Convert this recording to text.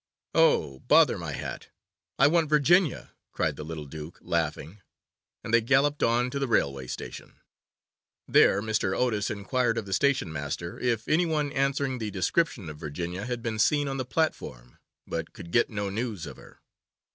'Oh, bother my hat! I want Virginia!' cried the little Duke, laughing, and they galloped on to the railway station. There Mr. Otis inquired of the station master if any one answering the description of Virginia had been seen on the platform, but could get no news of her.